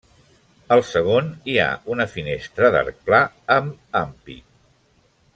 Al segon, hi ha una finestra d'arc pla amb ampit.